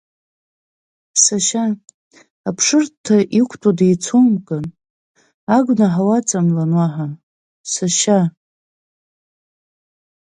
Сашьа, аԥшырҭа иқәтәоу деицоумкын, агәнаҳа уаҵамлан уаҳа, сашьа?